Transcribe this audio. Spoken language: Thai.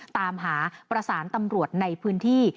ตามหาประสานตำรวจในพื้นที่